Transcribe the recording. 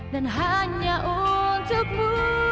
dan hanya untukmu